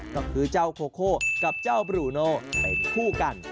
ก็คือเจ้าโคโคกับเจ้าบรูโนเป็นคู่กัน